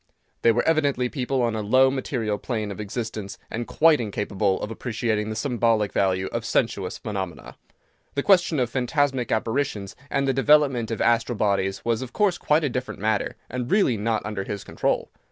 They were evidently people on a low, material plane of existence, and quite incapable of appreciating the symbolic value of sensuous phenomena. The question of phantasmic apparitions, and the development of astral bodies, was of course quite a different matter, and really not under his control.